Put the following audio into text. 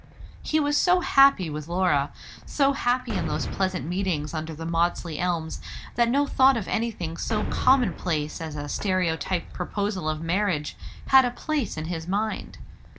He was so happy with Laura; so happy in those pleasant meetings under the Maudesley elms, that no thought of anything so commonplace as a stereotyped proposal of marriage had a place in his mind.